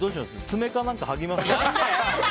爪か何か剥ぎます？